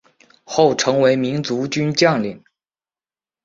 后成为民族军将领。